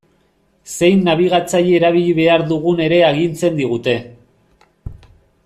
Zein nabigatzaile erabili behar dugun ere agintzen digute.